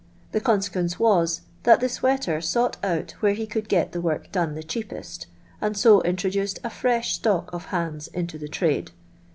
The eonse^uence was, that the sweater sought out where he could get the work done the cheapest, and to introduced a fresh stock of hands into the trade.